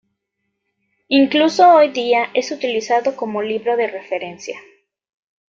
Incluso hoy día es utilizado como libro de referencia.